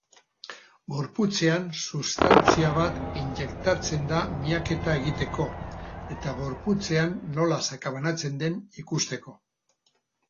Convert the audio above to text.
Gorputzean substantzia bat injektatzen da miaketa egiteko eta gorputzean nola sakabanatzen den ikusteko.